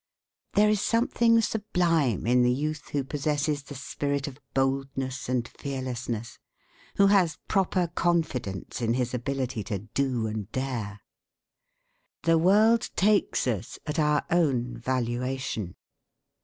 There is something sublime in the youth who possesses the spirit of boldness and fearlessness, who has proper confidence in his ability to do and dare. The world takes us at our own valuation.